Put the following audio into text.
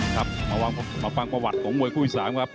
ครับมาฟังประวัติของมวยคู่อีก๓ครับ